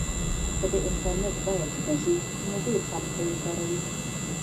که د انټرنیټ بیه ټیټه شي نو ډېر خلک به یې کاروي.